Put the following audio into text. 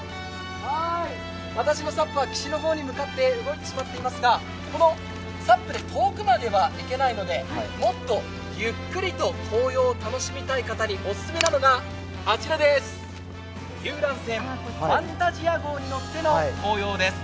私のＳＵＰは岸の方に向かって進んでいますがこのＳＵＰで遠くまでは行けないのでもっとゆっくりと紅葉を楽しみたい方にオススメなのがあちらです、遊覧船「ファンタジア号」に乗っての紅葉です。